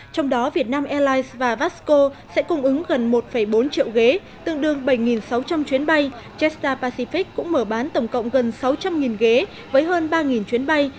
trong đó vietnam airlines và vasco sẽ cung ứng gần một bốn triệu ghế tương đương bảy sáu trăm linh chuyến bay jetstar pacific cũng mở bán tổng cộng gần sáu trăm linh ghế với hơn ba chuyến bay